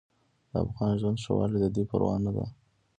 د افغان ژوند ښهوالی د دوی پروا نه ده.